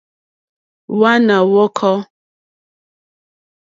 Hwàná ǃhwɔ́kɔ́.